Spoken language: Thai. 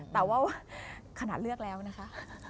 แต่ว่าขนาดเลือกแล้วนะคะ